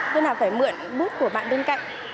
nên là phải mượn bút của bạn bên cạnh